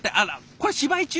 これ芝居中？